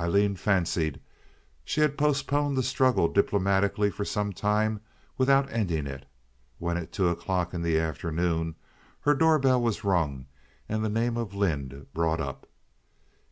Aileen fancied she had postponed the struggle diplomatically for some little time without ending it, when at two o'clock in the afternoon her door bell was rung and the name of Lynde brought up.